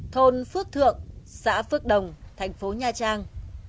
thôn phước thượng xã phước đồng thành phố nha trang